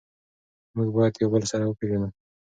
موږ باید یو بل سره وپیژنو.